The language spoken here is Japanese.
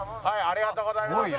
ありがとうございます。